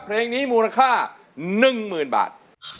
เพลงนี้มูลค่า๑๐๐๐บาท